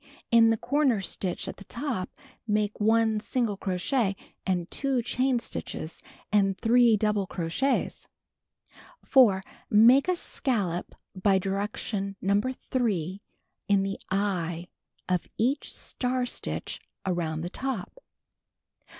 In the corner .stitch at the top, make 1 single crochet an(l '2 chain stitches and IV (loul»le crochets. 4. Make scallop l>y direction No. .'! in the "ey<'" of each star stitch around the top.